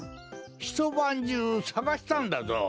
ひとばんじゅうさがしたんだぞ。